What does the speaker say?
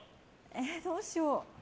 どうしよう。